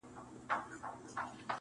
ګیدړ وویل اوبه مي دي میندلي -